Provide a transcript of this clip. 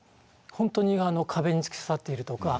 本当に壁に突き刺さっているとか。